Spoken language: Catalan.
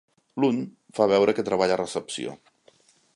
L'un, fa veure que treballa a recepció.